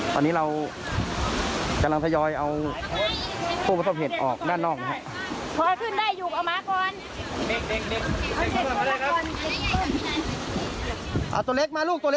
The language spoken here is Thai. ตอนนี้เรากำลังทะยอยเอาพวกผู้ชมเหตุออกด้านนอก